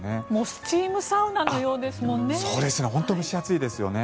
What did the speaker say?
スチームサウナのようですもんね。